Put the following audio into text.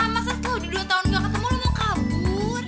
masa tuh udah dua tahun gak ketemu lu mau kabur